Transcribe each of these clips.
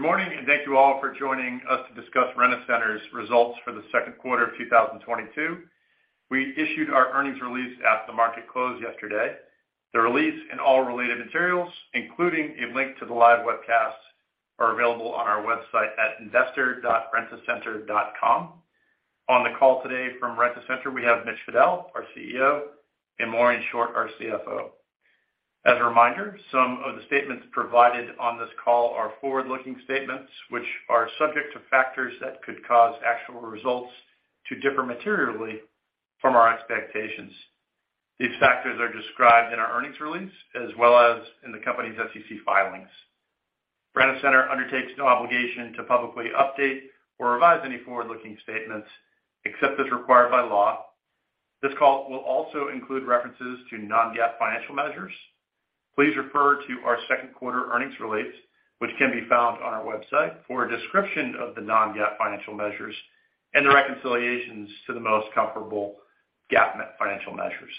Good morning, and thank you all for joining us to discuss Rent-A-Center's results for the Q2 of 2022. We issued our earnings release at the market close yesterday. The release and all related materials, including a link to the live webcast, are available on our website at investor.rentacenter.com. On the call today from Rent-A-Center, we have Mitch Fadel, our CEO, and Maureen Short, our CFO. As a reminder, some of the statements provided on this call are forward-looking statements, which are subject to factors that could cause actual results to differ materially from our expectations. These factors are described in our earnings release as well as in the company's SEC filings. Rent-A-Center undertakes no obligation to publicly update or revise any forward-looking statements except as required by law. This call will also include references to non-GAAP financial measures. Please refer to our Q2 earnings release, which can be found on our website, for a description of the non-GAAP financial measures and the reconciliations to the most comparable GAAP financial measures.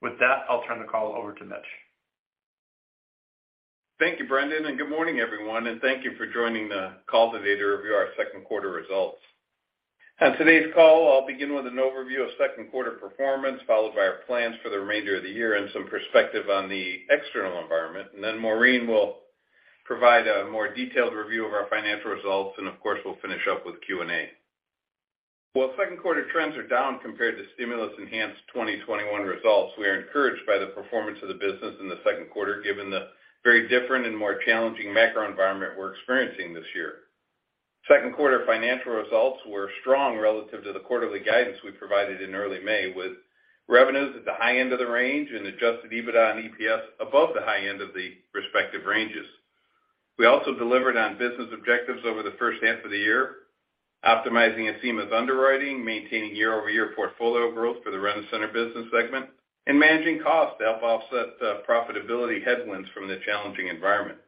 With that, I'll turn the call over to Mitch. Thank you, Brendan, and good morning, everyone, and thank you for joining the call today to review our Q2 results. On today's call, I'll begin with an overview of Q2 performance, followed by our plans for the remainder of the year and some perspective on the external environment. Maureen will provide a more detailed review of our financial results, and of course, we'll finish up with Q&A. While Q2 trends are down compared to stimulus-enhanced 2021 results, we are encouraged by the performance of the business in the Q2, given the very different and more challenging macro environment we're experiencing this year. Q2 financial results were strong relative to the quarterly guidance we provided in early May, with revenues at the high end of the range and adjusted EBITDA and EPS above the high end of the respective ranges. We also delivered on business objectives over the H1 of the year, optimizing Acima's underwriting, maintaining year-over-year portfolio growth for the Rent-A-Center business segment, and managing costs to help offset the profitability headwinds from the challenging environment.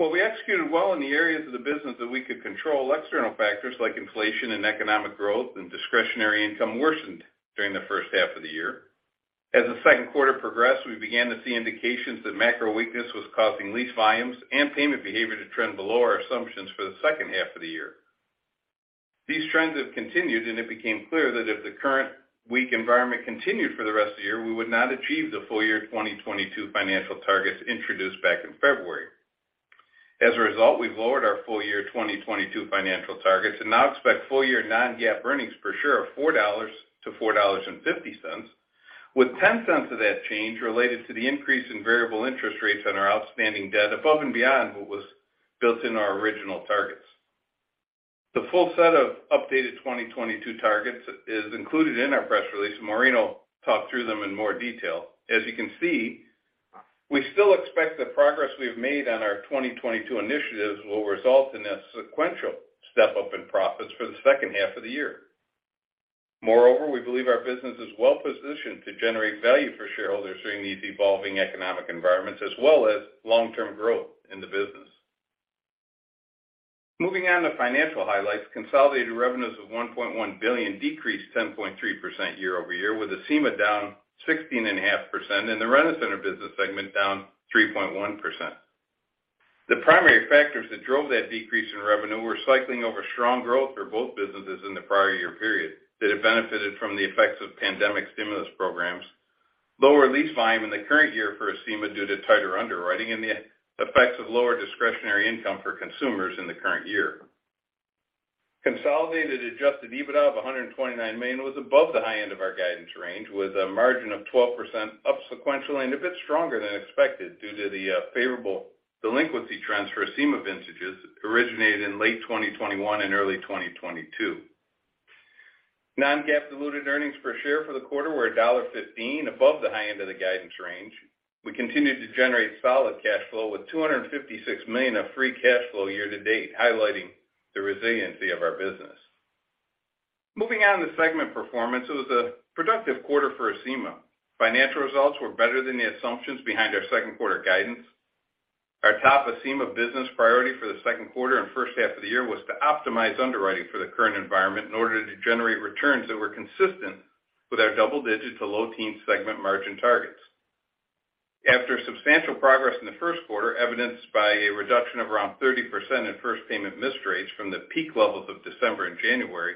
While we executed well in the areas of the business that we could control, external factors like inflation and economic growth and discretionary income worsened during the H1 of the year. As the Q2 progressed, we began to see indications that macro weakness was causing lease volumes and payment behavior to trend below our assumptions for the H2 of the year. These trends have continued, and it became clear that if the current weak environment continued for the rest of the year, we would not achieve the full year 2022 financial targets introduced back in February. As a result, we've lowered our full-year 2022 financial targets and now expect full-year non-GAAP earnings per share of $4-$4.50, with $0.10 of that change related to the increase in variable interest rates on our outstanding debt above and beyond what was built in our original targets. The full set of updated 2022 targets is included in our press release. Maureen will talk through them in more detail. As you can see, we still expect the progress we've made on our 2022 initiatives will result in a sequential step-up in profits for the H2 of the year. Moreover, we believe our business is well-positioned to generate value for shareholders during these evolving economic environments, as well as long-term growth in the business. Moving on to financial highlights, consolidated revenues of $1.1 billion decreased 10.3% year-over-year, with Acima down 16.5% and the Rent-A-Center business segment down 3.1%. The primary factors that drove that decrease in revenue were cycling over strong growth for both businesses in the prior year period that have benefited from the effects of pandemic stimulus programs, lower lease volume in the current year for Acima due to tighter underwriting, and the effects of lower discretionary income for consumers in the current year. Consolidated adjusted EBITDA of $129 million was above the high end of our guidance range, with a margin of 12% up sequentially and a bit stronger than expected due to the favorable delinquency transfer Acima vintages originated in late 2021 and early 2022. Non-GAAP diluted earnings per share for the quarter were $1.15 above the high end of the guidance range. We continued to generate solid cash flow, with $256 million of free cash flow year to date, highlighting the resiliency of our business. Moving on to segment performance. It was a productive quarter for Acima. Financial results were better than the assumptions behind our Q2 guidance. Our top Acima business priority for the Q2 and H1 of the year was to optimize underwriting for the current environment in order to generate returns that were consistent with our double-digit to low-teen segment margin targets. After substantial progress in the Q1, evidenced by a reduction of around 30% in first payment missed rates from the peak levels of December and January,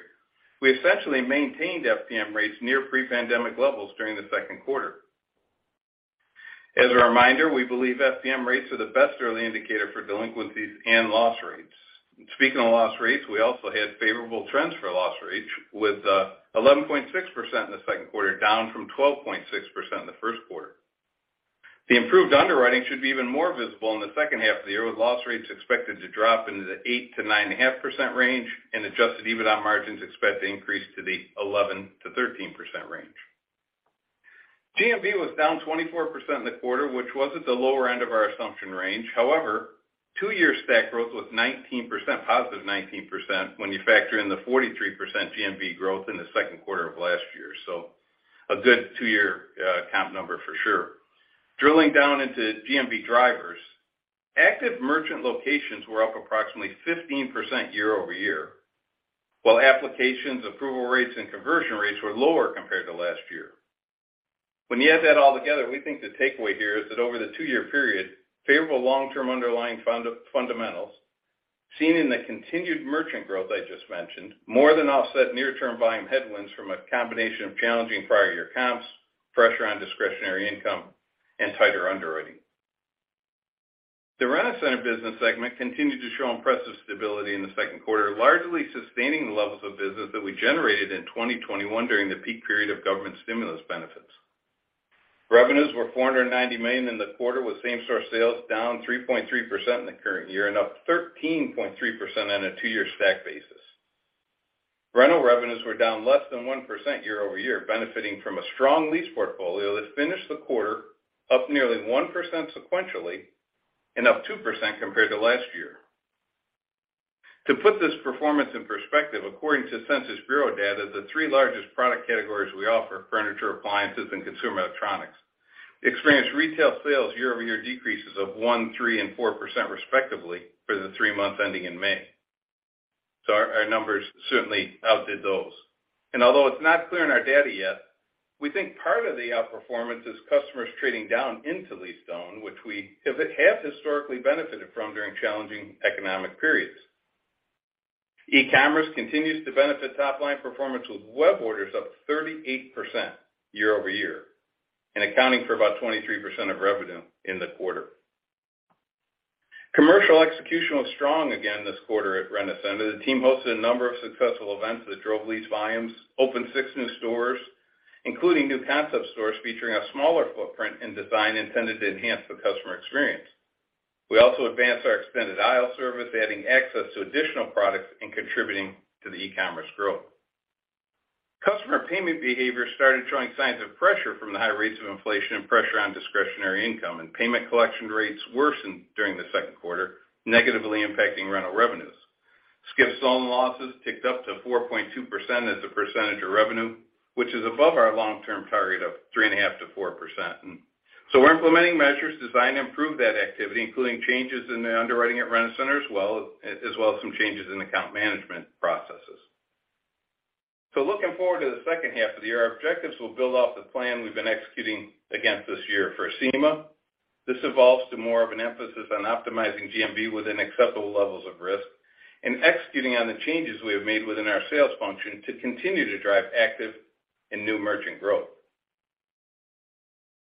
we essentially maintained FPM rates near pre-pandemic levels during the Q2. As a reminder, we believe FPM rates are the best early indicator for delinquencies and loss rates. Speaking of loss rates, we also had favorable trends for loss rates, with 11.6% in the Q2, down from 12.6% in the Q1. The improved underwriting should be even more visible in the H2 of the year, with loss rates expected to drop into the 8%-9.5% range and adjusted EBITDA margins expect to increase to the 11%-13% range. GMV was down 24% in the quarter, which was at the lower end of our assumption range. However, two-year stack growth was 19%, +19% when you factor in the 43% GMV growth in the Q2 of last year. A good two-year count number for sure. Drilling down into GMV drivers, active merchant locations were up approximately 15% year-over-year, while applications, approval rates, and conversion rates were lower compared to last year. When you add that all together, we think the takeaway here is that over the two-year period, favorable long-term underlying fundamentals, seen in the continued merchant growth I just mentioned, more than offset near-term volume headwinds from a combination of challenging prior year comps, pressure on discretionary income, and tighter underwriting. The Rent-A-Center business segment continued to show impressive stability in the Q2, largely sustaining the levels of business that we generated in 2021 during the peak period of government stimulus benefits. Revenues were $490 million in the quarter, with same-store sales down 3.3% in the current year and up 13.3% on a two-year stack basis. Rental revenues were down less than 1% year-over-year, benefiting from a strong lease portfolio that finished the quarter up nearly 1% sequentially and up 2% compared to last year. To put this performance in perspective, according to Census Bureau data, the three largest product categories we offer, furniture, appliances, and consumer electronics, experienced retail sales year-over-year decreases of 1%, 3%, and 4% respectively for the three months ending in May. Our numbers certainly outdid those. Although it's not clear in our data yet, we think part of the outperformance is customers trading down into lease-to-own, which we have historically benefited from during challenging economic periods. E-commerce continues to benefit top-line performance, with web orders up 38% year-over-year and accounting for about 23% of revenue in the quarter. Commercial execution was strong again this quarter at Rent-A-Center. The team hosted a number of successful events that drove lease volumes, opened six new stores, including new concept stores featuring a smaller footprint and design intended to enhance the customer experience. We also advanced our extended aisle service, adding access to additional products and contributing to the e-commerce growth. Customer payment behavior started showing signs of pressure from the high rates of inflation and pressure on discretionary income, and payment collection rates worsened during the Q2, negatively impacting rental revenues. Skip/stolen losses ticked up to 4.2% as a percentage of revenue, which is above our long-term target of 3.5%-4%. We're implementing measures designed to improve that activity, including changes in the underwriting at Rent-A-Center, as well as some changes in account management processes. Looking forward to the H2 of the year, our objectives will build off the plan we've been executing against this year for Acima. This evolves to more of an emphasis on optimizing GMV within acceptable levels of risk and executing on the changes we have made within our sales function to continue to drive active and new merchant growth.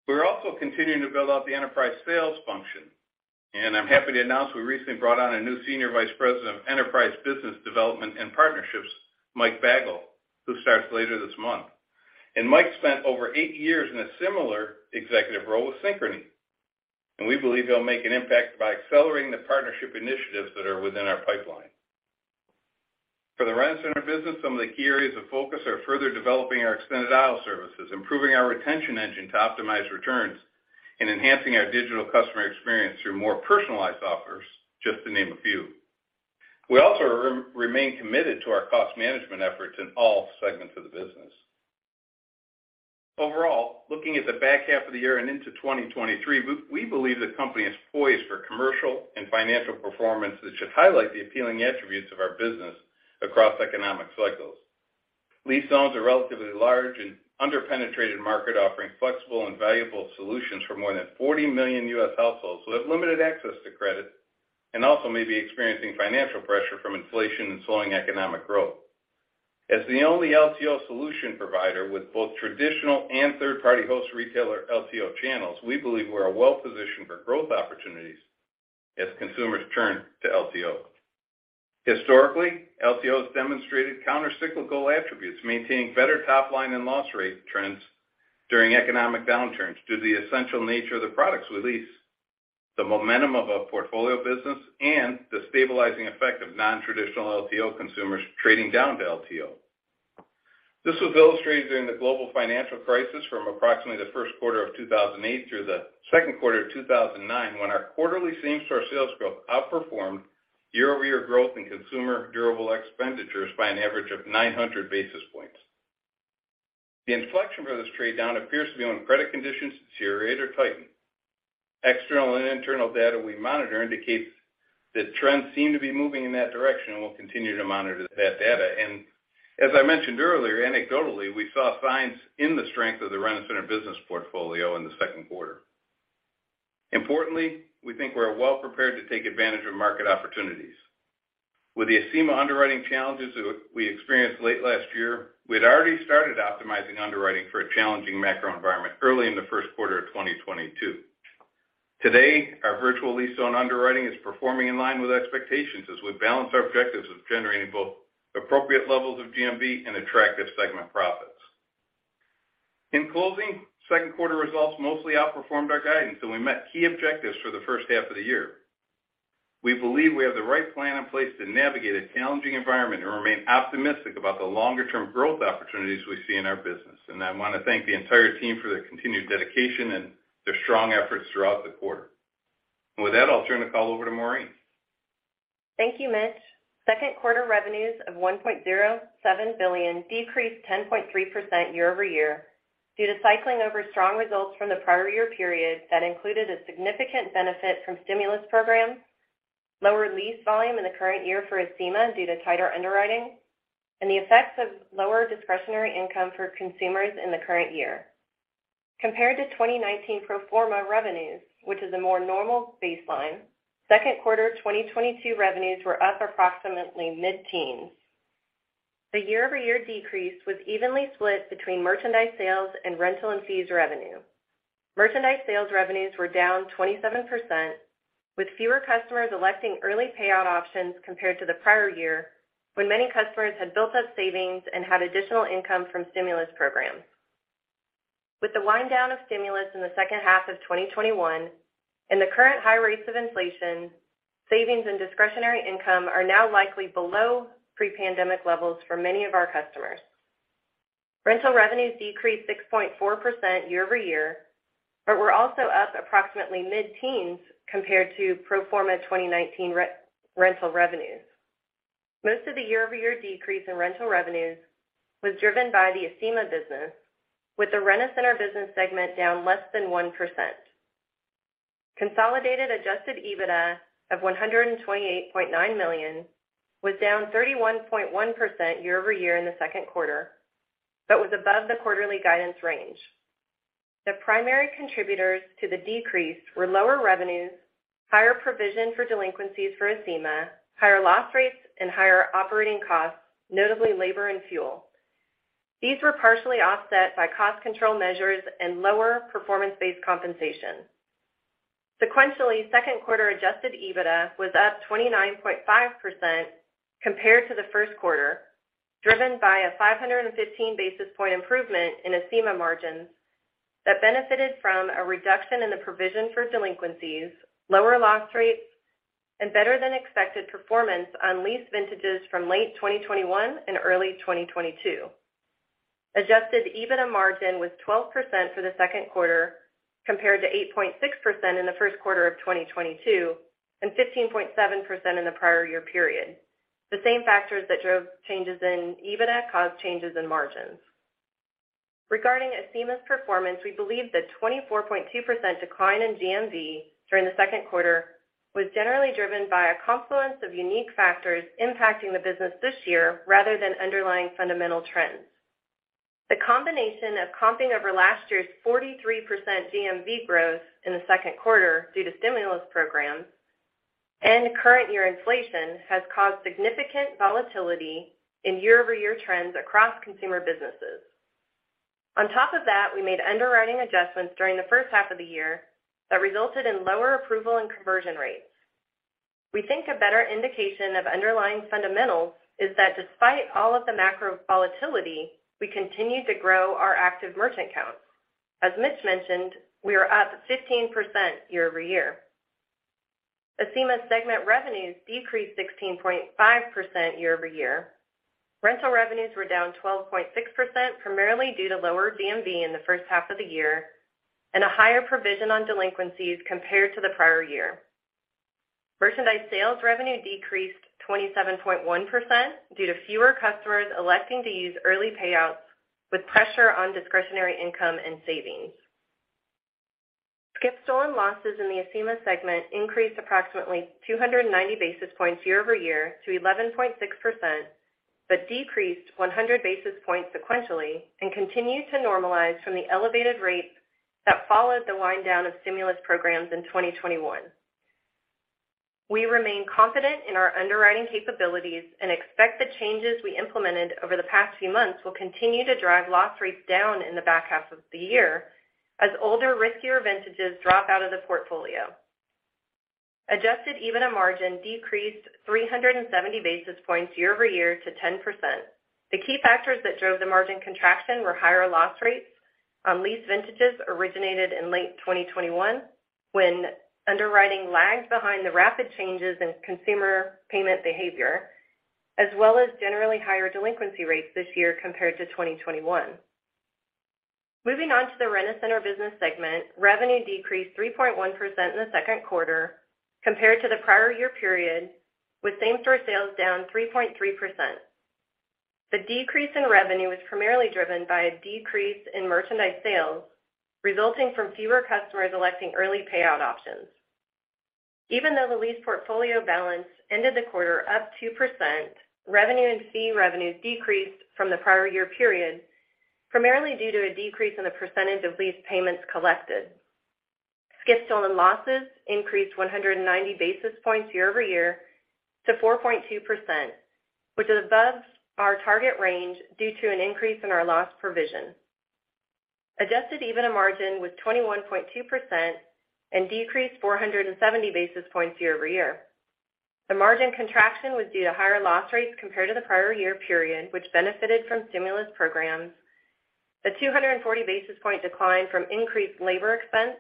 We're also continuing to build out the enterprise sales function, and I'm happy to announce we recently brought on a new Senior Vice President of Enterprise Business Development and Partnerships, Mike Bagwell, who starts later this month. Mike spent over eight years in a similar executive role with Synchrony, and we believe he'll make an impact by accelerating the partnership initiatives that are within our pipeline. For the Rent-A-Center business, some of the key areas of focus are further developing our extended aisle services, improving our retention engine to optimize returns, and enhancing our digital customer experience through more personalized offers, just to name a few. We also remain committed to our cost management efforts in all segments of the business. Overall, looking at the back half of the year and into 2023, we believe the company is poised for commercial and financial performance that should highlight the appealing attributes of our business across economic cycles. LTOs are a relatively large and under-penetrated market, offering flexible and valuable solutions for more than 40 million U.S. households who have limited access to credit and also may be experiencing financial pressure from inflation and slowing economic growth. As the only LTO solution provider with both traditional and third-party host retailer LTO channels, we believe we're well-positioned for growth opportunities as consumers turn to LTO. Historically, LTO has demonstrated counter-cyclical attributes, maintaining better top line and loss rate trends during economic downturns due to the essential nature of the products we lease, the momentum of a portfolio business, and the stabilizing effect of non-traditional LTO consumers trading down to LTO. This was illustrated during the global financial crisis from approximately the Q1 of 2008 through the Q2 of 2009 when our quarterly same-store sales growth outperformed year-over-year growth in consumer durable expenditures by an average of 900 basis points. The inflection for this trade-down appears to be when credit conditions deteriorate or tighten. External and internal data we monitor indicates that trends seem to be moving in that direction, and we'll continue to monitor that data. As I mentioned earlier, anecdotally, we saw signs in the strength of the Rent-A-Center business portfolio in the Q2. Importantly, we think we're well-prepared to take advantage of market opportunities. With the Acima underwriting challenges that we experienced late last year, we had already started optimizing underwriting for a challenging macro environment early in the Q1 of 2022. Today, our virtual lease-to-own underwriting is performing in line with expectations as we balance our objectives of generating both appropriate levels of GMV and attractive segment profits. In closing, Q2 results mostly outperformed our guidance, and we met key objectives for the H1 of the year. We believe we have the right plan in place to navigate a challenging environment and remain optimistic about the longer-term growth opportunities we see in our business. I want to thank the entire team for their continued dedication and their strong efforts throughout the quarter. With that, I'll turn the call over to Maureen. Thank you, Mitch. Q2 revenues of $1.07 billion decreased 10.3% year-over-year due to cycling over strong results from the prior year period that included a significant benefit from stimulus programs. Lower lease volume in the current year for Acima due to tighter underwriting and the effects of lower discretionary income for consumers in the current year. Compared to 2019 pro forma revenues, which is a more normal baseline, Q2 2022 revenues were up approximately mid-teens%. The year-over-year decrease was evenly split between merchandise sales and rental and fees revenue. Merchandise sales revenues were down 27%, with fewer customers electing early payout options compared to the prior year, when many customers had built up savings and had additional income from stimulus programs. With the wind down of stimulus in the H2 of 2021 and the current high rates of inflation, savings and discretionary income are now likely below pre-pandemic levels for many of our customers. Rental revenues decreased 6.4% year-over-year, but were also up approximately mid-teens compared to pro forma 2019 re-rental revenues. Most of the year-over-year decrease in rental revenues was driven by the Acima business, with the Rent-A-Center business segment down less than 1%. Consolidated adjusted EBITDA of $128.9 million was down 31.1% year-over-year in the Q2, but was above the quarterly guidance range. The primary contributors to the decrease were lower revenues, higher provision for delinquencies for Acima, higher loss rates, and higher operating costs, notably labor and fuel. These were partially offset by cost control measures and lower performance-based compensation. Sequentially, Q2 adjusted EBITDA was up 29.5% compared to the Q1, driven by a 515 basis point improvement in Acima margins that benefited from a reduction in the provision for delinquencies, lower loss rates, and better than expected performance on lease vintages from late 2021 and early 2022. Adjusted EBITDA margin was 12% for the Q2 compared to 8.6% in the Q1 of 2022 and 15.7% in the prior year period. The same factors that drove changes in EBITDA caused changes in margins. Regarding Acima's performance, we believe the 24.2% decline in GMV during the Q2 was generally driven by a confluence of unique factors impacting the business this year rather than underlying fundamental trends. The combination of comping over last year's 43% GMV growth in the Q2 due to stimulus programs and current year inflation has caused significant volatility in year-over-year trends across consumer businesses. On top of that, we made underwriting adjustments during the H1 of the year that resulted in lower approval and conversion rates. We think a better indication of underlying fundamentals is that despite all of the macro volatility, we continue to grow our active merchant count. As Mitch mentioned, we are up 15% year-over-year. Acima segment revenues decreased 16.5% year-over-year. Rental revenues were down 12.6%, primarily due to lower GMV in the H1 of the year and a higher provision on delinquencies compared to the prior year. Merchandise sales revenue decreased 27.1% due to fewer customers electing to use early payouts with pressure on discretionary income and savings. Skip/stolen losses in the Acima segment increased approximately 290 basis points year-over-year to 11.6%, but decreased 100 basis points sequentially and continue to normalize from the elevated rates that followed the wind down of stimulus programs in 2021. We remain confident in our underwriting capabilities and expect the changes we implemented over the past few months will continue to drive loss rates down in the back half of the year as older, riskier vintages drop out of the portfolio. Adjusted EBITDA margin decreased 370 basis points year-over-year to 10%. The key factors that drove the margin contraction were higher loss rates on lease vintages originated in late 2021, when underwriting lagged behind the rapid changes in consumer payment behavior, as well as generally higher delinquency rates this year compared to 2021. Moving on to the Rent-A-Center business segment, revenue decreased 3.1% in the Q2 compared to the prior year period, with same-store sales down 3.3%. The decrease in revenue was primarily driven by a decrease in merchandise sales resulting from fewer customers electing early payout options. Even though the lease portfolio balance ended the quarter up 2%, revenue and fee revenues decreased from the prior year period, primarily due to a decrease in the percentage of lease payments collected. Skip/stolen losses increased 190 basis points year-over-year to 4.2%, which is above our target range due to an increase in our loss provision. Adjusted EBITDA margin was 21.2% and decreased 470 basis points year-over-year. The margin contraction was due to higher loss rates compared to the prior year period, which benefited from stimulus programs, the 240 basis point decline from increased labor expense,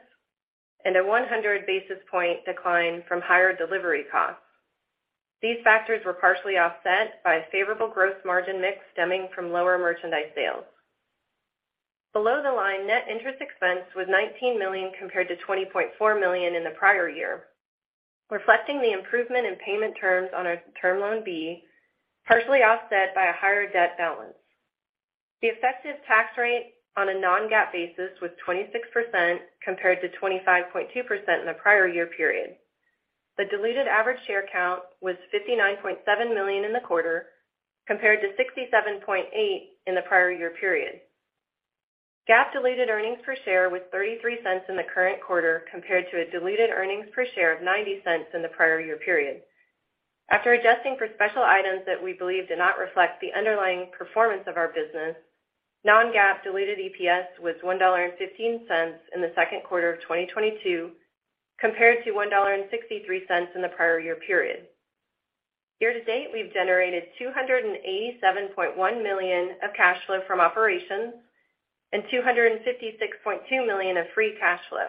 and a 100 basis point decline from higher delivery costs. These factors were partially offset by a favorable Gross Margin Mix stemming from lower merchandise sales. Below the line, net interest expense was $19 million compared to $20.4 million in the prior year, reflecting the improvement in payment terms on our Term Loan B, partially offset by a higher debt balance. The effective tax rate on a non-GAAP basis was 26% compared to 25.2% in the prior year period. The diluted average share count was 59.7 million in the quarter compared to 67.8 in the prior year period. GAAP diluted earnings per share was $0.33 in the current quarter compared to a diluted earnings per share of $0.90 in the prior year period. After adjusting for special items that we believe did not reflect the underlying performance of our business, non-GAAP diluted EPS was $1.15 in the Q2 of 2022 compared to $1.63 in the prior year period. Year to date, we've generated $287.1 million of cash flow from operations and $256.2 million of free cash flow.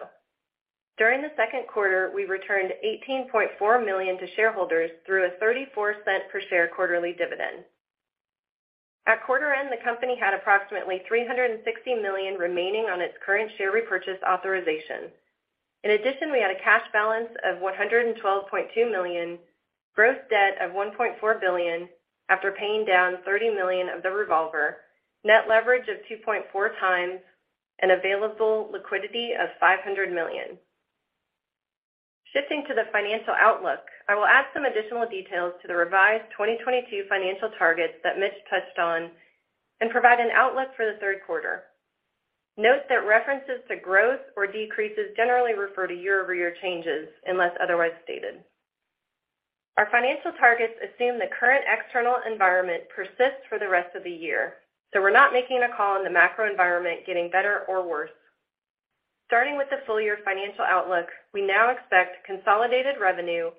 During the Q2, we returned $18.4 million to shareholders through a 34-cent per share quarterly dividend. At quarter end, the company had approximately $360 million remaining on its current share repurchase authorization. In addition, we had a cash balance of $112.2 million, gross debt of $1.4 billion after paying down $30 million of the revolver, net leverage of 2.4x, and available liquidity of $500 million. Shifting to the financial outlook, I will add some additional details to the revised 2022 financial targets that Mitch touched on and provide an outlook for the Q3. Note that references to growth or decreases generally refer to year-over-year changes unless otherwise stated. Our financial targets assume the current external environment persists for the rest of the year, so we're not making a call on the macro environment getting better or worse. Starting with the full year financial outlook, we now expect consolidated revenue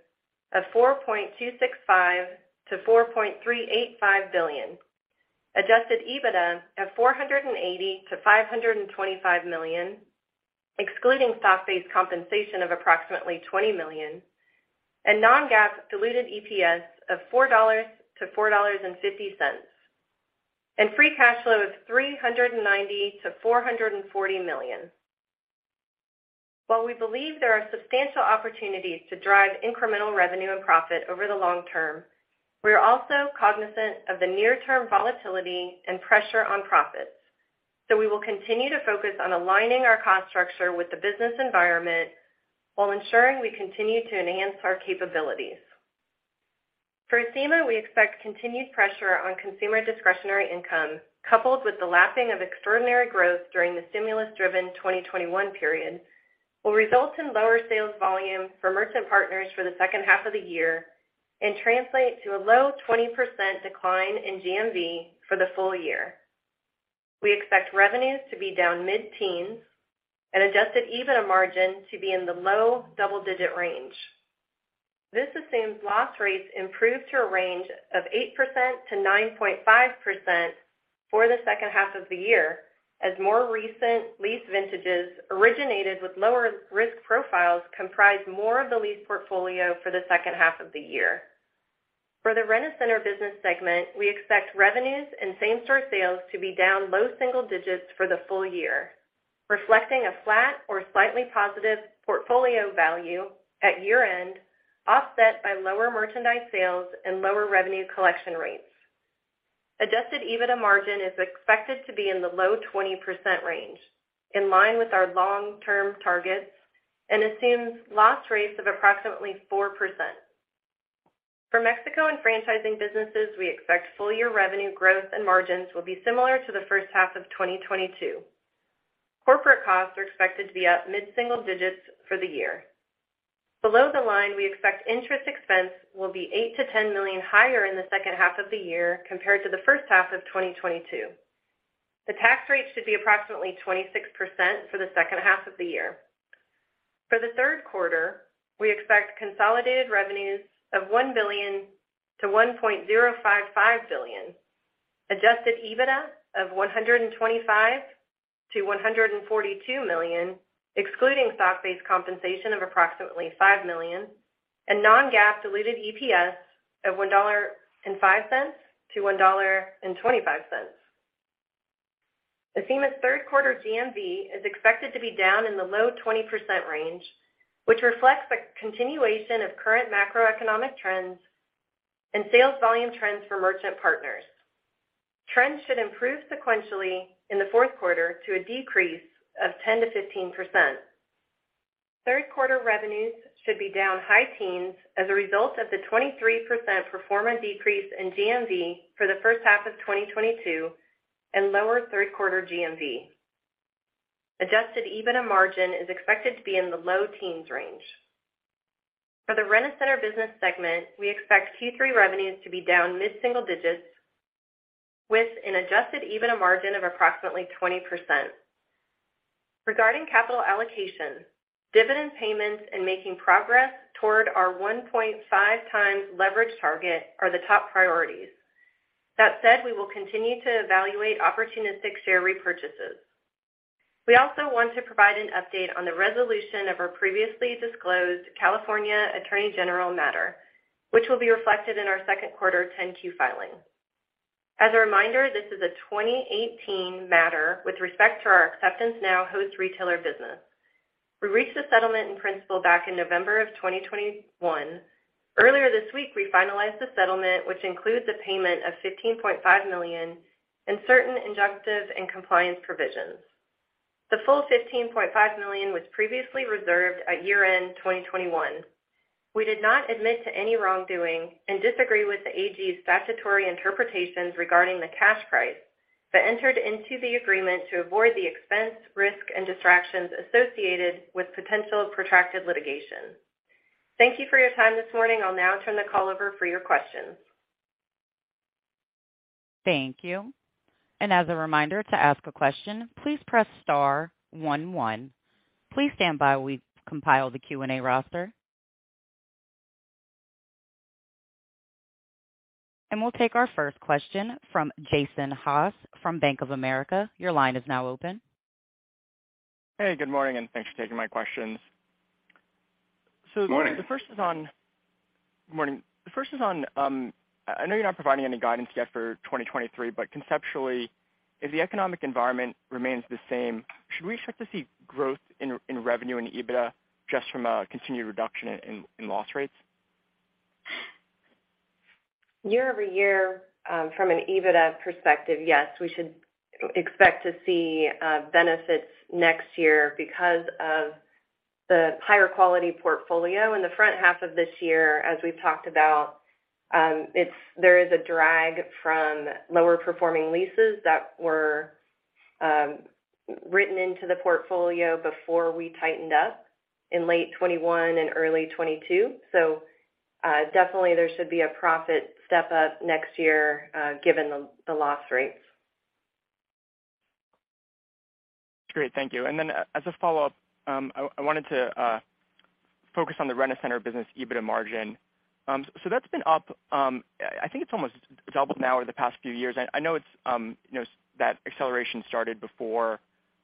of $4.265 billion-$4.385 billion, adjusted EBITDA of $480 million-$525 million, excluding stock-based compensation of approximately $20 million, and non-GAAP diluted EPS of $4-$4.50, and free cash flow of $390 million-$440 million. While we believe there are substantial opportunities to drive incremental revenue and profit over the long term, we are also cognizant of the near-term volatility and pressure on profits. We will continue to focus on aligning our cost structure with the business environment while ensuring we continue to enhance our capabilities. For Acima, we expect continued pressure on consumer discretionary income, coupled with the lapping of extraordinary growth during the stimulus-driven 2021 period, will result in lower sales volume for merchant partners for the H2 of the year and translate to a low 20% decline in GMV for the full year. We expect revenues to be down mid-teens and adjusted EBITDA margin to be in the low double-digit range. This assumes loss rates improve to a range of 8%-9.5% for the H2 of the year as more recent lease vintages originated with lower risk profiles comprise more of the lease portfolio for the H2 of the year. For the Rent-A-Center business segment, we expect revenues and same-store sales to be down low single digits for the full year, reflecting a flat or slightly positive portfolio value at year-end, offset by lower merchandise sales and lower revenue collection rates. Adjusted EBITDA margin is expected to be in the low 20% range, in line with our long-term targets, and assumes loss rates of approximately 4%. For Mexico and franchising businesses, we expect full-year revenue growth and margins will be similar to the H1 of 2022. Corporate costs are expected to be up mid-single digits for the year. Below the line, we expect interest expense will be $8 million-$10 million higher in the H2 of the year compared to the H1 of 2022. The tax rate should be approximately 26% for the H2 of the year. For the Q3, we expect consolidated revenues of $1 billion-$1.055 billion, adjusted EBITDA of $125 million-$142 million, excluding stock-based compensation of approximately $5 million, and non-GAAP diluted EPS of $1.05-$1.25. Acima's Q3 GMV is expected to be down in the low 20% range, which reflects the continuation of current macroeconomic trends and sales volume trends for merchant partners. Trends should improve sequentially in the Q4 to a decrease of 10%-15%. Q3 revenues should be down high teens% as a result of the 23% pro forma decrease in GMV for the H1 of 2022 and lower Q3 GMV. Adjusted EBITDA margin is expected to be in the low teens% range. For the Rent-A-Center business segment, we expect Q3 revenues to be down mid-single digits with an adjusted EBITDA margin of approximately 20%. Regarding capital allocation, dividend payments and making progress toward our 1.5x leverage target are the top priorities. That said, we will continue to evaluate opportunistic share repurchases. We also want to provide an update on the resolution of our previously disclosed California Attorney General matter, which will be reflected in our Q2 10-Q filing. As a reminder, this is a 2018 matter with respect to our Acceptance Now host retailer business. We reached a settlement in principle back in November 2021. Earlier this week, we finalized the settlement, which includes a payment of $15.5 million and certain injunctive and compliance provisions. The full $15.5 million was previously reserved at year-end 2021. We did not admit to any wrongdoing and disagree with the AG's statutory interpretations regarding the cash price, but entered into the agreement to avoid the expense, risk, and distractions associated with potential protracted litigation. Thank you for your time this morning. I'll now turn the call over for your questions. Thank you. As a reminder to ask a question, please press star one one. Please stand by while we compile the Q&A roster. We'll take our first question from Jason Haas from Bank of America. Your line is now open. Hey, good morning, and thanks for taking my questions. Good morning. The first is on, I know you're not providing any guidance yet for 2023, but conceptually, if the economic environment remains the same, should we expect to see growth in revenue and EBITDA just from a continued reduction in loss rates? Year-over-year, from an EBITDA perspective, yes, we should expect to see benefits next year because of the higher quality portfolio. In the front half of this year, as we've talked about, there is a drag from lower performing leases that were written into the portfolio before we tightened up in late 2021 and early 2022. Definitely there should be a profit step up next year, given the loss rates. Great. Thank you. As a follow-up, I wanted to focus on the Rent-A-Center business EBITDA margin. That's been up. I think it's almost doubled now over the past few years. I know it's, you know, that acceleration started before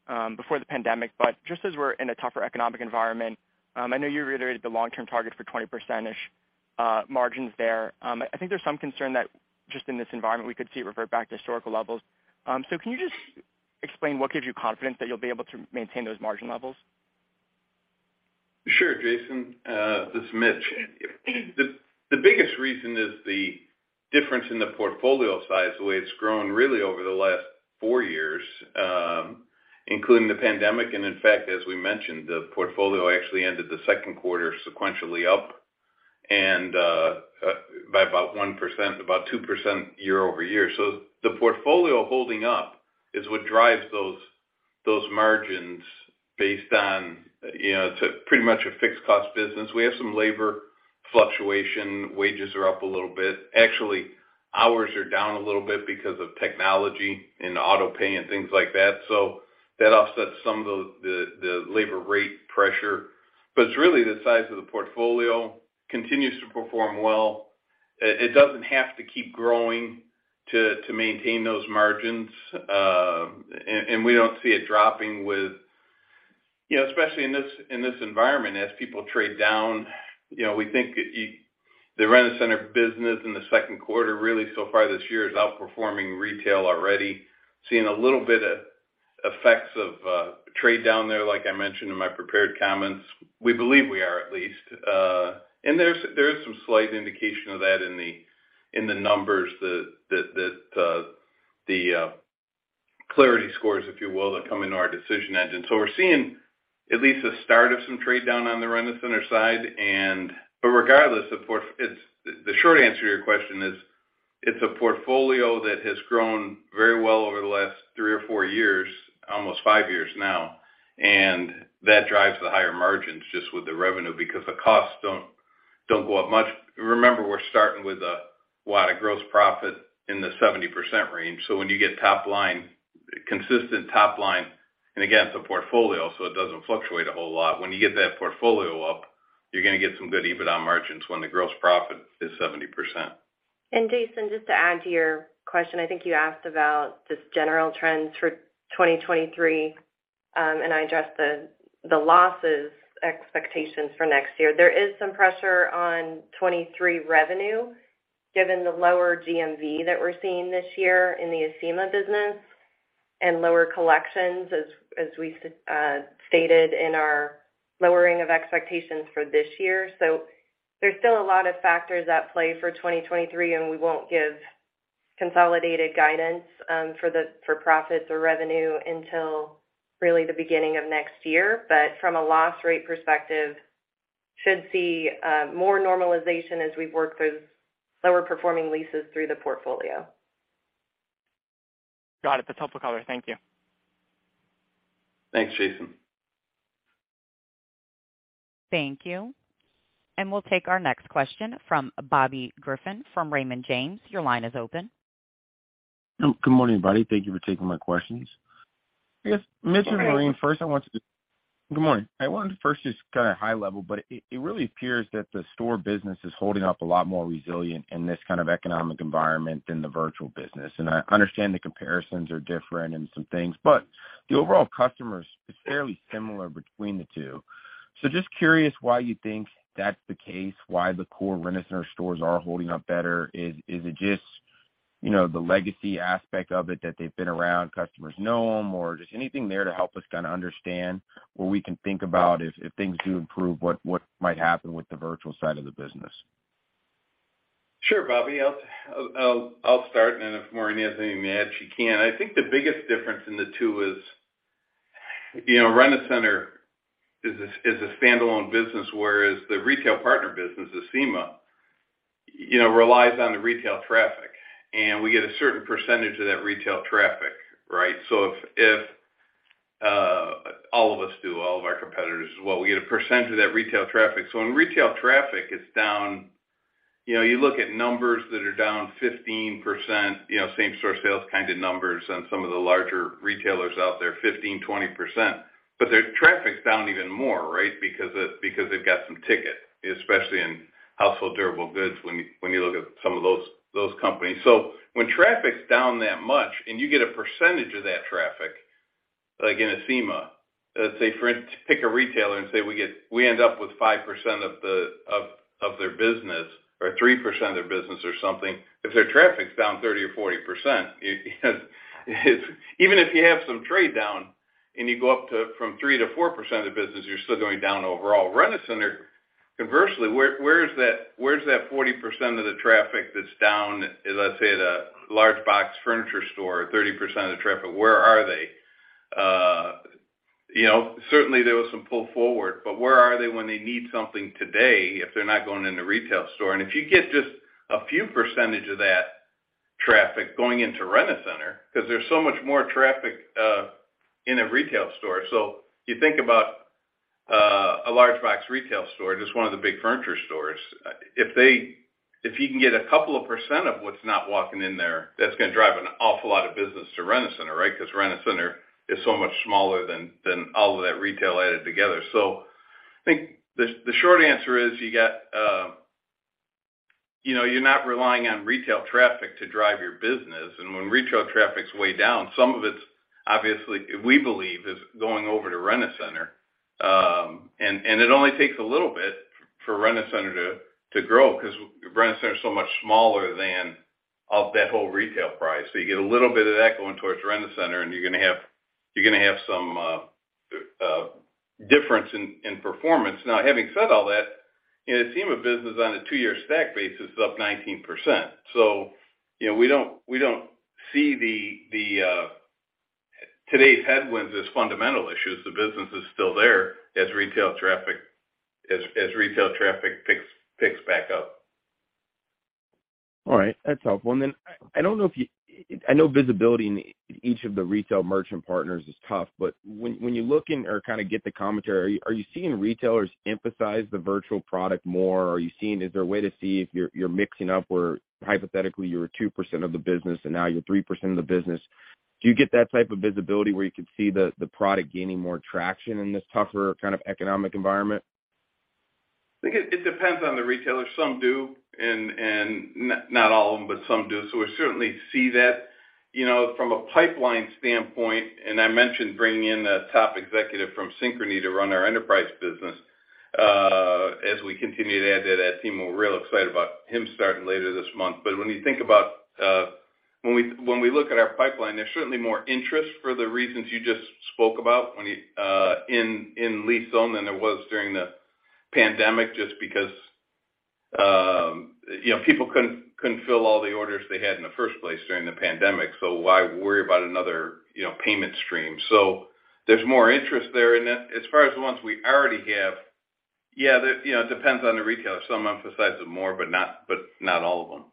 the pandemic. Just as we're in a tougher economic environment, I know you reiterated the long-term target for 20% margins there. I think there's some concern that just in this environment, we could see it revert back to historical levels. Can you just explain what gives you confidence that you'll be able to maintain those margin levels? Sure, Jason. This is Mitch. The biggest reason is the difference in the portfolio size, the way it's grown really over the last four years, including the pandemic. In fact, as we mentioned, the portfolio actually ended the Q2 sequentially up and by about 1%, about 2% year-over-year. The portfolio holding up is what drives those margins based on, you know, it's pretty much a fixed cost business. We have some labor fluctuation. Wages are up a little bit. Actually, hours are down a little bit because of technology and auto pay and things like that. That offsets some of the labor rate pressure. It's really the size of the portfolio continues to perform well. It doesn't have to keep growing to maintain those margins. We don't see it dropping with, you know, especially in this environment as people trade down. You know, we think the Rent-A-Center business in the Q2 really so far this year is outperforming retail already, seeing a little bit of effects of trade down there like I mentioned in my prepared comments. We believe we are at least. There is some slight indication of that in the numbers that the Clarity scores, if you will, that come into our decision engine. We're seeing at least the start of some trade down on the Rent-A-Center side and. Regardless, of course, it's the short answer to your question is it's a portfolio that has grown very well over the last three or four years, almost five years now. That drives the higher margins just with the revenue because the costs don't go up much. Remember, we're starting with a lot of gross profit in the 70% range. When you get top line, consistent top line, and again, it's a portfolio, so it doesn't fluctuate a whole lot. When you get that portfolio up, you're gonna get some good EBITDA margins when the gross profit is 70%. Jason, just to add to your question, I think you asked about just general trends for 2023, and I addressed the losses expectations for next year. There is some pressure on 2023 revenue given the lower GMV that we're seeing this year in the Acima business and lower collections as we stated in our lowering of expectations for this year. There's still a lot of factors at play for 2023, and we won't give consolidated guidance for profit or revenue until really the beginning of next year. From a loss rate perspective, should see more normalization as we work those lower performing leases through the portfolio. Got it. That's helpful color. Thank you. Thanks, Jason. Thank you. We'll take our next question from Bobby Griffin from Raymond James. Your line is open. Good morning, Bobby. Thank you for taking my questions. I guess. Good morning. Mr. Mitch, Good morning. I wanted to first just kinda high level, but it really appears that the store business is holding up a lot more resilient in this kind of economic environment than the virtual business. I understand the comparisons are different and some things, but the overall customer is fairly similar between the two. Just curious why you think that's the case, why the core Rent-A-Center stores are holding up better. Is it just, you know, the legacy aspect of it that they've been around, customers know them or just anything there to help us kinda understand what we can think about if things do improve, what might happen with the virtual side of the business? Sure, Bobby. I'll start, and then if Maureen has anything to add, she can. I think the biggest difference between the two is, you know, Rent-A-Center is a standalone business, whereas the retail partner business, the Acima, you know, relies on the retail traffic. We get a certain percentage of that retail traffic, right? If all of us, all of our competitors as well, get a percent of that retail traffic. When retail traffic is down, you know, you look at numbers that are down 15%, you know, same store sales kind of numbers and some of the larger retailers out there, 15%, 20%. Their traffic's down even more, right? Because they, because they've got higher ticket, especially in household durable goods, when you look at some of those companies. When traffic's down that much and you get a percentage of that traffic, like in Acima, let's say pick a retailer and we end up with 5% of their business or 3% of their business or something. If their traffic's down 30 or 40%, it, even if you have some trade down and you go up from 3%-4% of the business, you're still going down overall. Rent-A-Center, conversely, where is that 40% of the traffic that's down, as I say, at a large box furniture store, or 30% of the traffic, where are they? You know, certainly there was some pull forward, but where are they when they need something today if they're not going into retail store? If you get just a few percentage of that traffic going into Rent-A-Center 'cause there's so much more traffic in a retail store. You think about a large box retail store, just one of the big furniture stores. If you can get a couple of percent of what's not walking in there, that's gonna drive an awful lot of business to Rent-A-Center, right? 'Cause Rent-A-Center is so much smaller than all of that retail added together. I think the short answer is you got you know, you're not relying on retail traffic to drive your business. When retail traffic's way down, some of it's obviously, we believe, is going over to Rent-A-Center. And it only takes a little bit for Rent-A-Center to grow 'cause Rent-A-Center is so much smaller than of that whole retail pie. You get a little bit of that going towards Rent-A-Center, and you're gonna have some difference in performance. Now, having said all that, you know, the Acima business on a two-year stack base is up 19%. You know, we don't see today's headwinds as fundamental issues. The business is still there as retail traffic picks back up. All right. That's helpful. I don't know if you, I know visibility in each of the retail merchant partners is tough, but when you look in or kinda get the commentary, are you seeing retailers emphasize the virtual product more? Is there a way to see if you're making up where hypothetically you were 2% of the business and now you're 3% of the business? Do you get that type of visibility where you could see the product gaining more traction in this tougher kind of economic environment? I think it depends on the retailer. Some do and not all of them, but some do. We certainly see that, you know, from a pipeline standpoint, and I mentioned bringing in a top executive from Synchrony to run our enterprise business, as we continue to add that at Acima. We're real excited about him starting later this month. When you think about, when we look at our pipeline, there's certainly more interest for the reasons you just spoke about when, in lease-to-own than there was during the pandemic, just because, you know, people couldn't fill all the orders they had in the first place during the pandemic. Why worry about another, you know, payment stream? There's more interest there in that. As far as the ones we already have, yeah, you know, it depends on the retailer. Some emphasize it more, but not all of them.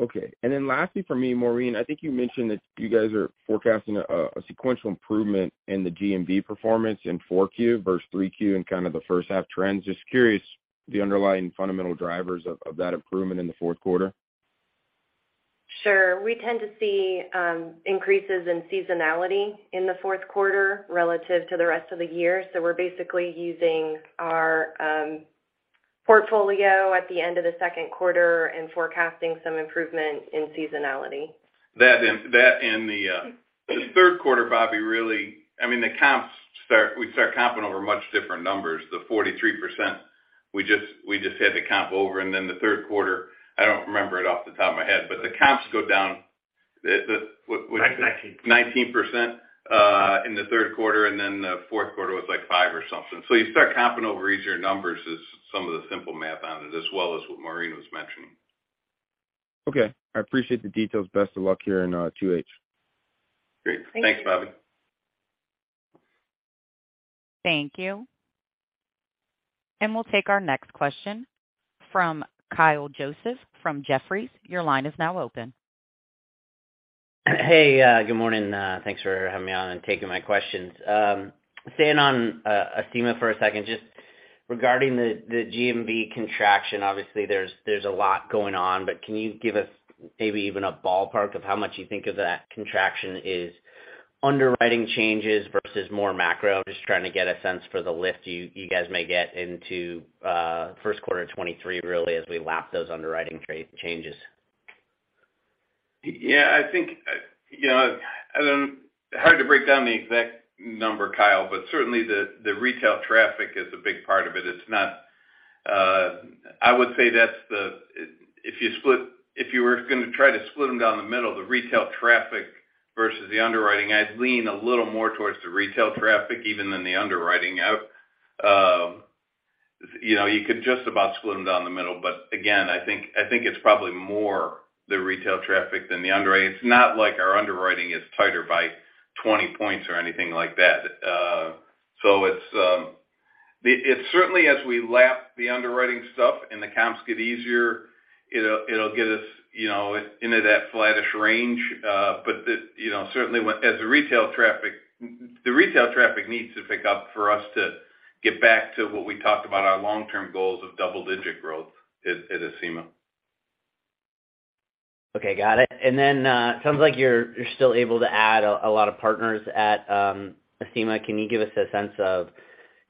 Okay. Lastly for me, Maureen, I think you mentioned that you guys are forecasting a sequential improvement in the GMV performance in 4Q versus 3Q and kind of the H1 trends. Just curious, the underlying fundamental drivers of that improvement in the Q4? Sure. We tend to see increases in seasonality in the Q4 relative to the rest of the year. We're basically using our portfolio at the end of the Q2 and forecasting some improvement in seasonality. That and the Q3, Bobby, really, I mean, the comps start. We start comping over much different numbers. The 43%, we just had to comp over. Then the Q3, I don't remember it off the top of my head, but the comps go down. 19. 19% in the Q3, and then the Q4 was five or something. You start comping over easier numbers is some of the simple math on it, as well as what Maureen was mentioning. Okay. I appreciate the details. Best of luck here in 2H. Great. Thanks. Thanks, Bobby. Thank you. We'll take our next question from Kyle Joseph from Jefferies. Your line is now open. Hey, good morning. Thanks for having me on and taking my questions. Staying on Acima for a second, just regarding the GMV contraction. Obviously, there's a lot going on, but can you give us maybe even a ballpark of how much you think of that contraction is underwriting changes versus more macro? I'm just trying to get a sense for the lift you guys may get into Q1 2023, really, as we lap those underwriting changes. Yeah, I think, you know, hard to break down the exact number, Kyle, but certainly the retail traffic is a big part of it. It's not, I would say that's the. If you were gonna try to split them down the middle, the retail traffic versus the underwriting, I'd lean a little more towards the retail traffic even than the underwriting. You know, you could just about split them down the middle. Again, I think it's probably more the retail traffic than the underwriting. It's not like our underwriting is tighter by 20 points or anything like that. It's certainly as we lap the underwriting stuff and the comps get easier, it'll get us, you know, into that flattish range. You know, certainly as the retail traffic. The retail traffic needs to pick up for us to get back to what we talked about our long-term goals of double-digit growth at Acima. Okay, got it. Sounds like you're still able to add a lot of partners at Acima. Can you give us a sense of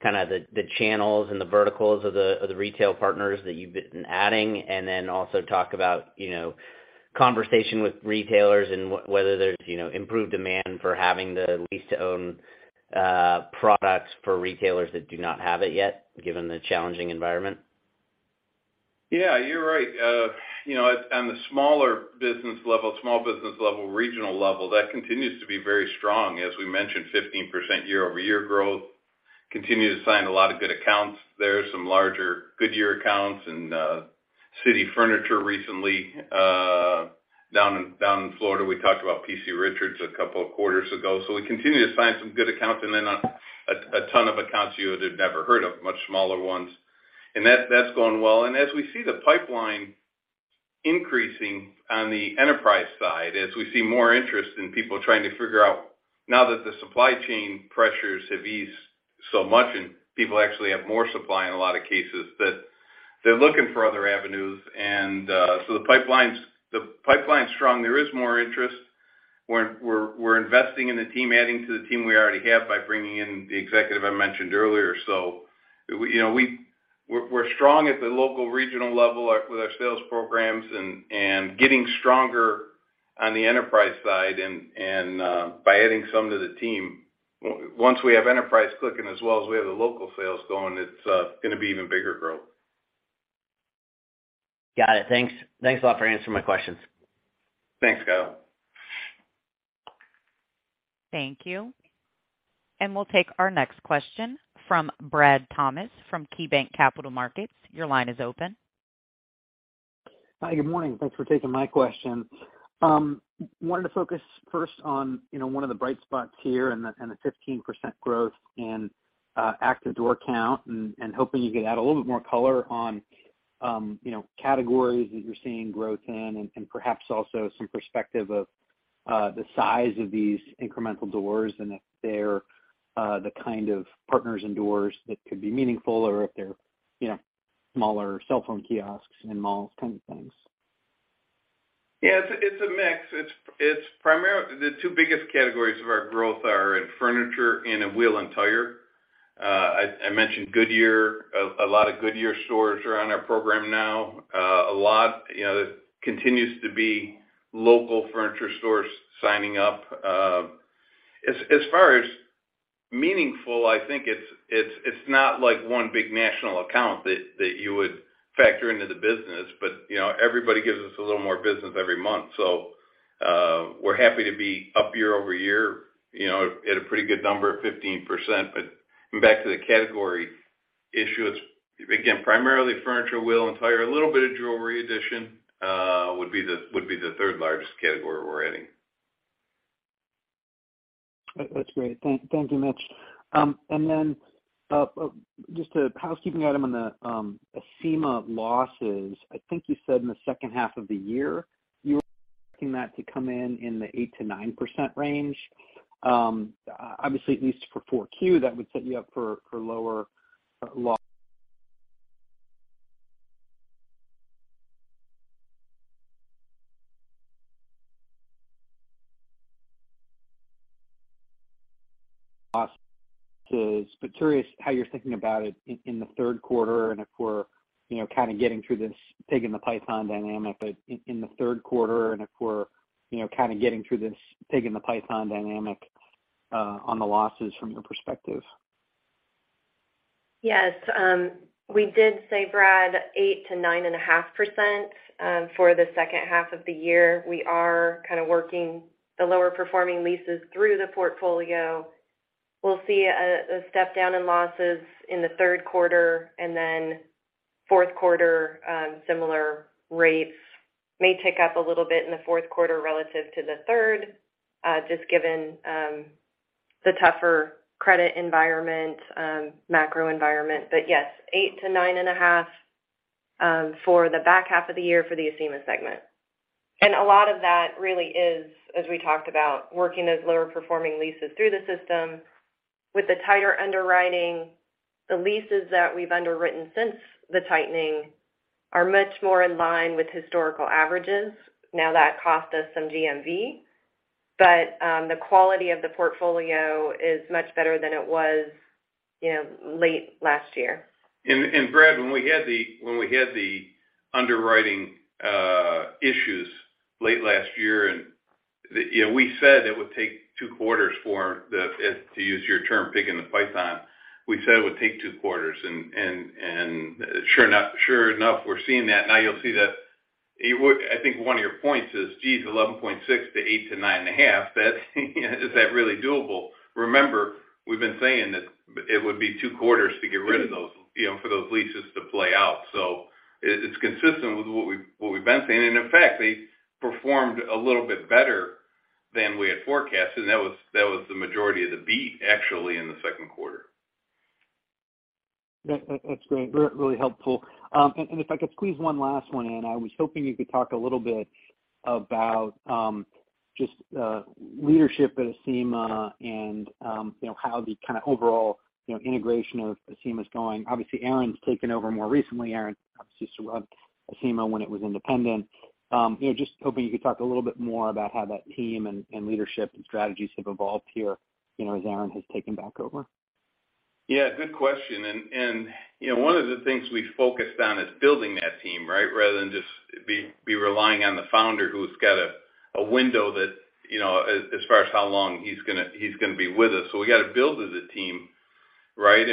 kinda the channels and the verticals of the retail partners that you've been adding? Also talk about, you know, conversation with retailers and whether there's, you know, improved demand for having the lease-to-own products for retailers that do not have it yet, given the challenging environment. Yeah, you're right. You know, on the smaller business level, small business level, regional level, that continues to be very strong. As we mentioned, 15% year-over-year growth. Continue to sign a lot of good accounts. There are some larger Goodyear accounts and City Furniture recently down in Florida. We talked about P.C. Richard & Son a couple of quarters ago. We continue to sign some good accounts and then a ton of accounts you would have never heard of, much smaller ones. That's going well. As we see the pipeline increasing on the enterprise side, as we see more interest in people trying to figure out now that the supply chain pressures have eased so much and people actually have more supply in a lot of cases, that they're looking for other avenues. The pipeline's strong. There is more interest. We're investing in the team, adding to the team we already have by bringing in the executive I mentioned earlier. We, you know, we're strong at the local regional level with our sales programs and getting stronger on the enterprise side and by adding some to the team. Once we have enterprise clicking as well as we have the local sales going, it's gonna be even bigger growth. Got it. Thanks. Thanks a lot for answering my questions. Thanks, Kyle. Thank you. We'll take our next question from Brad Thomas from KeyBanc Capital Markets. Your line is open. Hi, good morning. Thanks for taking my question. Wanted to focus first on, you know, one of the bright spots here and the 15% growth in active door count, and hoping you could add a little bit more color on, you know, categories that you're seeing growth in and perhaps also some perspective of the size of these incremental doors and if they're the kind of partners and doors that could be meaningful or if they're, you know, smaller cell phone kiosks and malls kind of things. Yeah, it's a mix. It's primarily the two biggest categories of our growth are in furniture and in wheel and tire. I mentioned Goodyear. A lot of Goodyear stores are on our program now. A lot, you know, continues to be local furniture stores signing up. As far as meaningful, I think it's not like one big national account that you would factor into the business. You know, everybody gives us a little more business every month. We're happy to be up year-over-year, you know, at a pretty good number of 15%. Back to the category issue, it's again primarily furniture, wheel and tire. A little bit of jewelry addition would be the third largest category we're adding. That's great. Thank you much. Then just a housekeeping item on the Acima losses. I think you said in the H2 of the year, you were expecting that to come in in the 8%-9% range. Obviously, at least for Q4, that would set you up for lower losses. Curious how you're thinking about it in the Q3, and if we're, you know, kind of getting through this pig in the python dynamic on the losses from your perspective. Yes. We did say Brad, 8%-9.5% for the H2 of the year. We are kind of working the lower performing leases through the portfolio. We'll see a step down in losses in the Q3 and then Q4. Similar rates may tick up a little bit in the Q4 relative to the third, just given the tougher credit environment, macro environment. Yes, 8%-9.5% for the back half of the year for the Acima segment. A lot of that really is, as we talked about, working those lower performing leases through the system. With the tighter underwriting, the leases that we've underwritten since the tightening are much more in line with historical averages. Now, that cost us some GMV. The quality of the portfolio is much better than it was, you know, late last year. Brad, when we had the underwriting issues late last year and, you know, we said it would take two quarters to use your term, picking the python. We said it would take two quarters and sure enough, we're seeing that. Now you'll see that it would, I think one of your points is, geez, 11.6%-8%-9.5%. That, is that really doable? Remember, we've been saying that it would be two quarters to get rid of those, you know, for those leases to play out. It's consistent with what we've been saying. In fact, they performed a little bit better than we had forecasted, and that was the majority of the beat actually in the Q2. Yeah, that's great. Really helpful. If I could squeeze one last one in. I was hoping you could talk a little bit about just leadership at Acima and you know, how the kind of overall, you know, integration of Acima is going. Obviously, Aaron's taken over more recently. Aaron obviously used to run Acima when it was independent. You know, just hoping you could talk a little bit more about how that team and leadership and strategies have evolved here, you know, as Aaron has taken back over. Yeah, good question. You know, one of the things we focused on is building that team, right? Rather than just be relying on the founder who's got a window that, you know, as far as how long he's gonna be with us. We got to build as a team, right?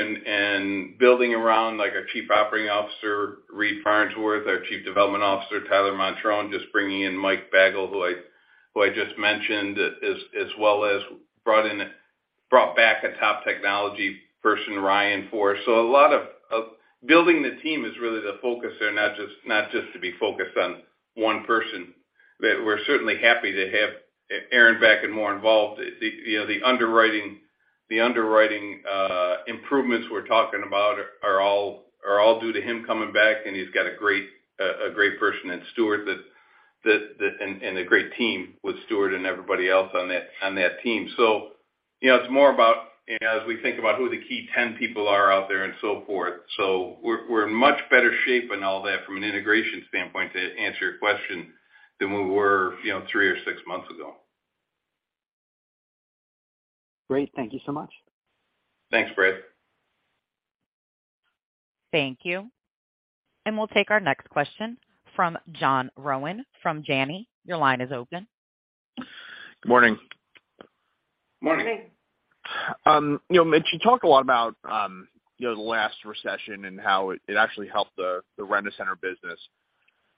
Building around, like, our Chief Operating Officer, Reed Farnsworth, our Chief Development Officer, Tyler Montrone, just bringing in Mike Bagwell, who I just mentioned, as well as brought back a top technology person, Ryan Forrest. A lot of building the team is really the focus there, not just to be focused on one person. We're certainly happy to have Aaron back and more involved. You know, the underwriting improvements we're talking about are all due to him coming back. He's got a great person in Stewart and a great team with Stewart and everybody else on that team. You know, it's more about as we think about who the key 10 people are out there and so forth. We're in much better shape and all that from an integration standpoint, to answer your question, than we were, you know, three or six months ago. Great. Thank you so much. Thanks, Brad. Thank you. We'll take our next question from John Rowan from Janney. Your line is open. Good morning. Morning. Good morning. You know, Mitch, you talked a lot about, you know, the last recession and how it actually helped the Rent-A-Center business.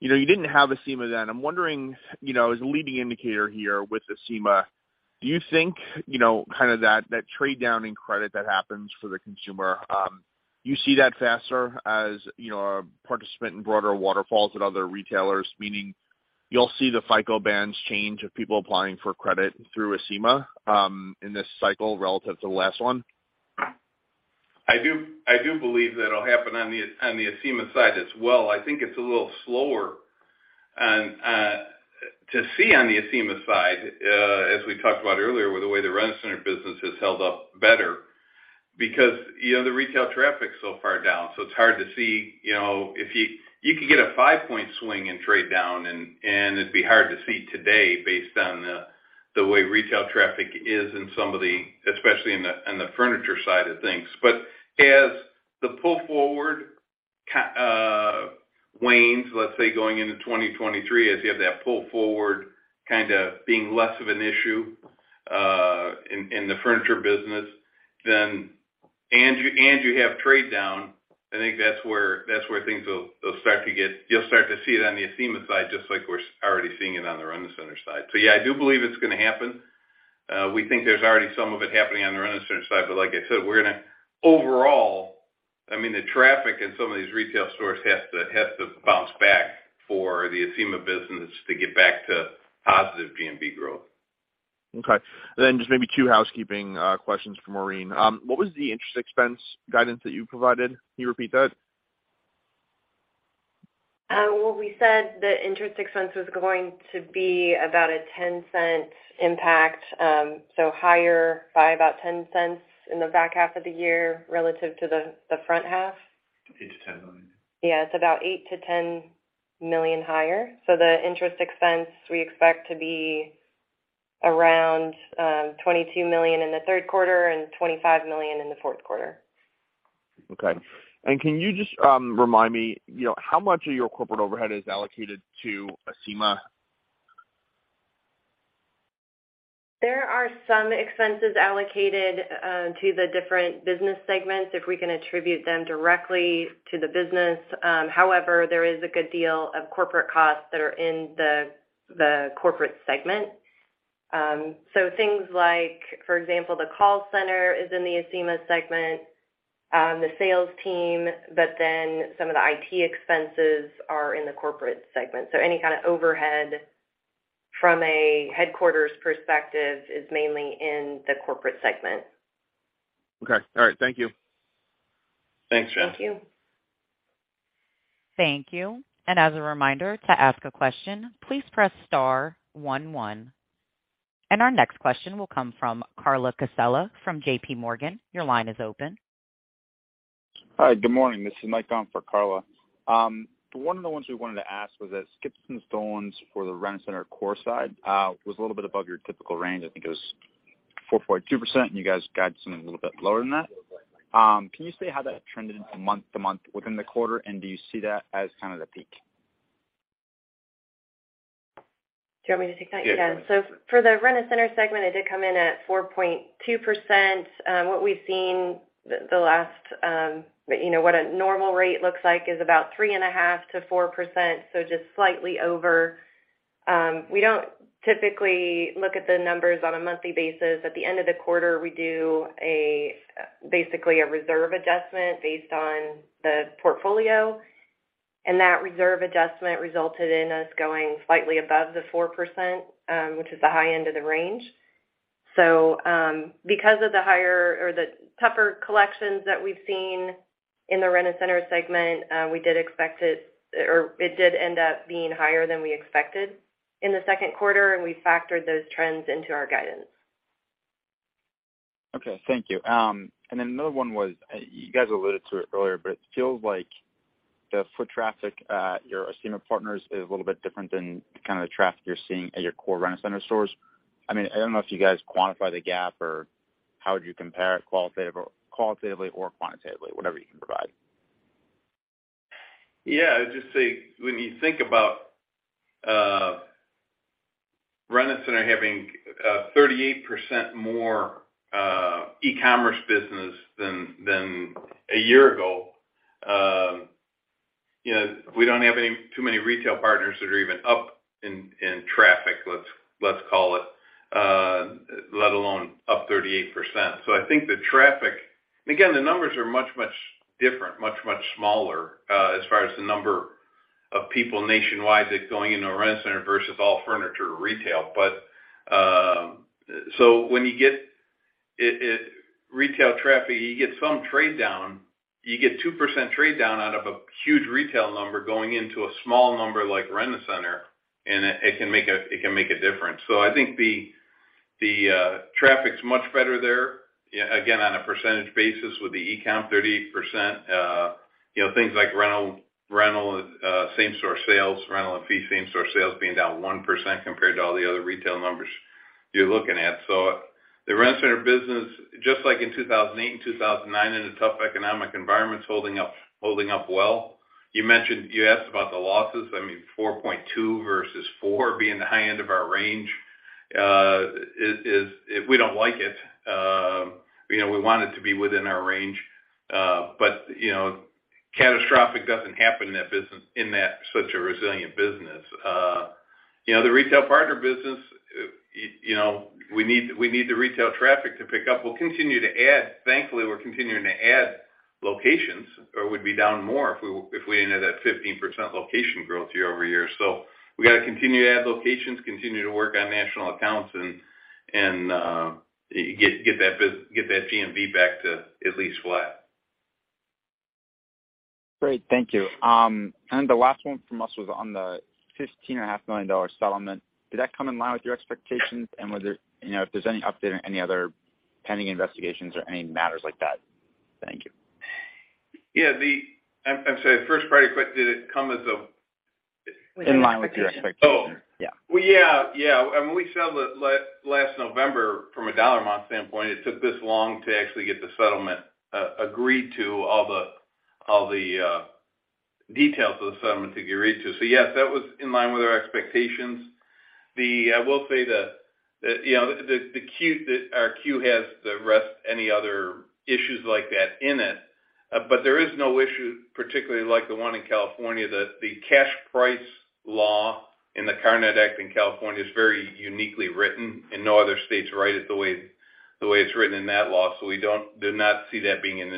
You know, you didn't have Acima then. I'm wondering, you know, as a leading indicator here with Acima, do you think, you know, kind of that trade down in credit that happens for the consumer, you see that faster as, you know, a participant in broader waterfalls at other retailers, meaning you'll see the FICO bands change of people applying for credit through Acima, in this cycle relative to the last one? I do believe that it'll happen on the Acima side as well. I think it's a little slower. To see on the Acima side, as we talked about earlier, with the way the Rent-A-Center business has held up better because, you know, the retail traffic is so far down, so it's hard to see. You know, you could get a five-point swing in trade down, and it'd be hard to see today based on the way retail traffic is in some of, especially in the furniture side of things. As the pull forward wanes, let's say, going into 2023, as you have that pull forward kind of being less of an issue, in the furniture business, then and you have trade down, I think that's where things will start to get. You'll start to see it on the Acima side, just like we're already seeing it on the Rent-A-Center side. Yeah, I do believe it's gonna happen. We think there's already some of it happening on the Rent-A-Center side, but like I said, we're gonna overall, I mean, the traffic in some of these retail stores has to bounce back for the Acima business to get back to positive GMV growth. Okay. Just maybe two housekeeping questions for Maureen. What was the interest expense guidance that you provided? Can you repeat that? Well, we said the interest expense was going to be about a $0.10 impact, so higher by about $0.10 in the back half of the year relative to the front half. $8 million-$10 million. Yeah, it's about $8 million-$10 million higher. The interest expense we expect to be around $22 million in the Q3 and $25 million in the Q4. Okay. Can you just remind me, you know, how much of your corporate overhead is allocated to Acima? There are some expenses allocated to the different business segments, if we can attribute them directly to the business. However, there is a good deal of corporate costs that are in the corporate segment. Things like, for example, the call center is in the Acima segment, the sales team, but then some of the IT expenses are in the corporate segment. Any kind of overhead from a headquarters perspective is mainly in the corporate segment. Okay. All right. Thank you. Thanks, John. Thank you. Thank you. As a reminder, to ask a question, please press star one. Our next question will come from Carla Casella from JP Morgan. Your line is open. Hi, good morning. This is Mike Thompson for Carla. One of the ones we wanted to ask was that skips and stolens for the Rent-A-Center core side was a little bit above your typical range. I think it was 4.2%, and you guys got something a little bit lower than that. Can you say how that trended month-to-month within the quarter, and do you see that as kind of the peak? Do you want me to take that? Yeah. Yeah. For the Rent-A-Center segment, it did come in at 4.2%. What we've seen the last, you know, what a normal rate looks like is about 3.5%-4%, so just slightly over. We don't typically look at the numbers on a monthly basis. At the end of the quarter, we do a basically a reserve adjustment based on the portfolio, and that reserve adjustment resulted in us going slightly above the 4%, which is the high end of the range. Because of the higher or the tougher collections that we've seen in the Rent-A-Center segment, we did expect it or it did end up being higher than we expected in the Q2, and we factored those trends into our guidance. Okay. Thank you. Another one was, you guys alluded to it earlier, but it feels like the foot traffic at your Acima partners is a little bit different than kind of the traffic you're seeing at your core Rent-A-Center stores. I mean, I don't know if you guys quantify the gap or how would you compare it qualitative, qualitatively or quantitatively, whatever you can provide. Yeah. I'd just say, when you think about Rent-A-Center having 38% more e-commerce business than a year ago, you know, we don't have too many retail partners that are even up in traffic, let's call it, let alone up 38%. I think the traffic again, the numbers are much different, much smaller, as far as the number of people nationwide that's going into a Rent-A-Center versus all furniture or retail. When you get to retail traffic, you get some trade down. You get 2% trade down out of a huge retail number going into a small number like Rent-A-Center, and it can make a difference. I think the traffic's much better there. Again, on a percentage basis with the e-com 30%, you know, things like rental same store sales, rental and fee same store sales being down 1% compared to all the other retail numbers you're looking at. The Rent-A-Center business, just like in 2008 and 2009 in a tough economic environment, is holding up well. You mentioned you asked about the losses. I mean, 4.2% versus 4% being the high end of our range is we don't like it. You know, we want it to be within our range, but you know, catastrophic doesn't happen in that business, in such a resilient business. You know, the retail partner business, you know, we need the retail traffic to pick up. We'll continue to add. Thankfully, we're continuing to add locations or we'd be down more if we didn't have that 15% location growth year-over-year. We got to continue to add locations, continue to work on national accounts and get that GMV back to at least flat. Great. Thank you. The last one from us was on the $15.5 million settlement. Did that come in line with your expectations? Was there, you know, if there's any update or any other pending investigations or any matters like that? Thank you. Yeah, I'm sorry. First part, did it come as a- In line with your expectations. Oh. Yeah. Well, yeah. Yeah. I mean, we settled it last November from a dollar amount standpoint. It took this long to actually get the settlement agreed to, all the details of the settlement to get agreed to. Yes, that was in line with our expectations. We'll say that, you know, the 10-Q doesn't have any other issues like that in it. There is no issue, particularly like the one in California, that the cash price law in the Karnette Rental-Purchase Act in California is very uniquely written, and no other states write it the way it's written in that law. We did not see that being in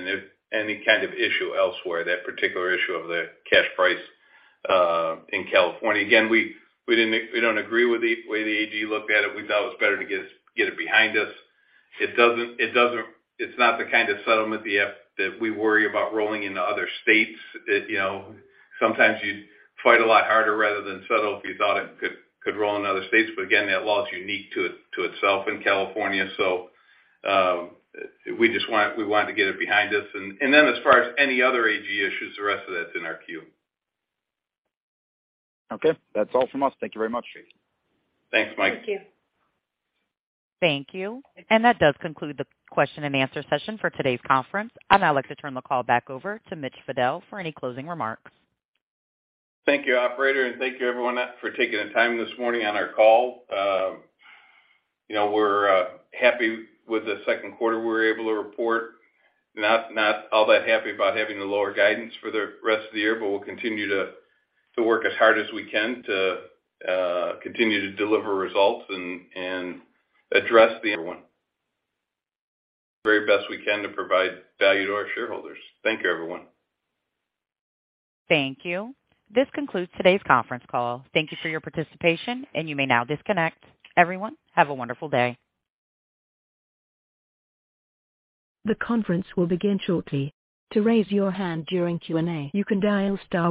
any kind of issue elsewhere, that particular issue of the cash price in California. Again, we don't agree with the way the AG looked at it. We thought it was better to get it behind us. It doesn't, it's not the kind of settlement that we worry about rolling into other states. You know, sometimes you fight a lot harder rather than settle if you thought it could roll in other states. But again, that law is unique to itself in California. We wanted to get it behind us. As far as any other AG issues, the rest of that's in our Q. Okay. That's all from us. Thank you very much. Thanks, Mike. Thank you. Thank you. That does conclude the question and answer session for today's conference. I'd now like to turn the call back over to Mitch Fadel for any closing remarks. Thank you, operator, and thank you everyone for taking the time this morning on our call. You know, we're happy with the Q2 we're able to report. Not all that happy about having the lower guidance for the rest of the year, but we'll continue to work as hard as we can to continue to deliver results and address everything very best we can to provide value to our shareholders. Thank you, everyone. Thank you. This concludes today's conference call. Thank you for your participation, and you may now disconnect. Everyone, have a wonderful day. The conference will begin shortly. To raise your hand during Q&A, you can dial star one.